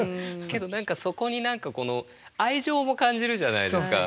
けどそこに何か愛情も感じるじゃないですか。